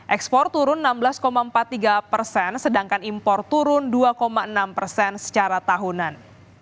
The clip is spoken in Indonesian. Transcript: ekspor turun enam belas empat puluh tiga persen sedangkan impor turun dua enam persen secara tahunan